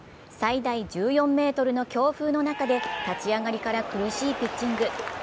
最大１４ｍの強風の中で立ち上がりから苦しいピッチング。